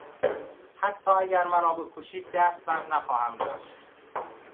حتی اگر مرا بکشید دست بر نخواهم داشت.